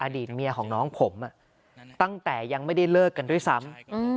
อดีตเมียของน้องผมตั้งแต่ยังไม่ได้เลิกกันด้วยซ้ำ